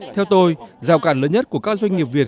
theo tôi rào cản lớn nhất của các doanh nghiệp việt